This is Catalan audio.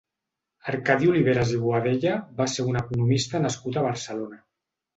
Arcadi Oliveres i Boadella va ser un economista nascut a Barcelona.